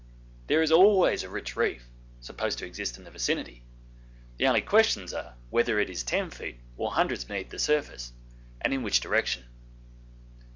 There is always a rich reef supposed to exist in the vicinity; the only questions are whether it is ten feet or hundreds beneath the surface, and in which direction.